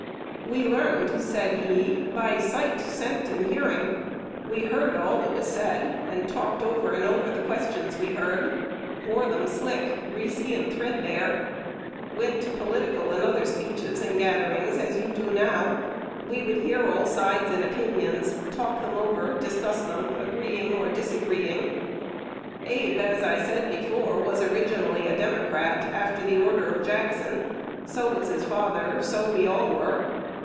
"We learned," said he, "by sight, scent, and hearing. We heard all that was said, and talked over and over the questions heard; wore them slick, greasy, and threadbare. Went to political and other speeches and gatherings, as you do now: we would hear all sides and opinions, talk them over, discuss them, agreeing or disagreeing. Abe, as I said before, was originally a Democrat after the order of Jackson, so was his father, so we all were....